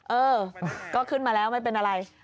เออก็ขึ้นมาแล้วไม่เป็นอะไร